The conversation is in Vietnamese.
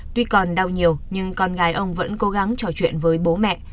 tuy còn đau nhiều nhưng con gái ông vẫn cố gắng trò chuyện với bố mẹ